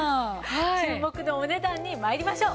注目のお値段に参りましょう。